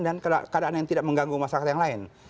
dan keadaan yang tidak mengganggu masyarakat yang lain